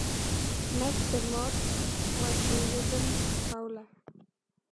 McDermott was a rhythm bowler.